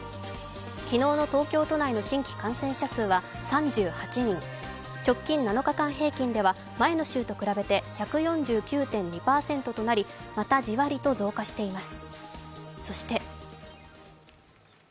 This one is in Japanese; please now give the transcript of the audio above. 昨日の東京都内の新規感染者数は３８人、直近７日間平均では前の週と比べて１４９．２％となり、またじわりと増加しています。